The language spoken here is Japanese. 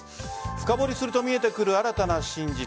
深掘りすると見えてくる新たな真実。